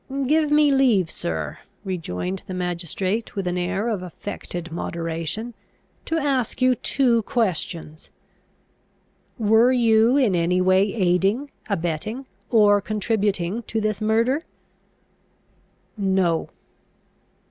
"Give me leave, sir," rejoined the magistrate, with an air of affected moderation, "to ask you two questions. Were you any way aiding, abetting, or contributing to this murder?" "No."